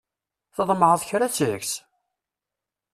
Tḍemɛeḍ kra seg-s?